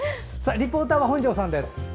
リポーターは本庄さんです。